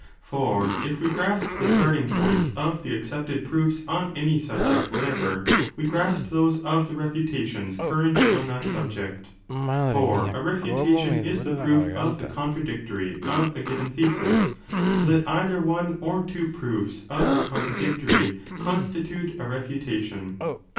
For if we grasp the starting points of the 40 accepted proofs on any subject whatever we grasp those of i7o b the refutations current on that subject. For a refutation is the proof of the contradictory of a given thesis, so that either one or two proofs of the contradictory constitute a refuta tion.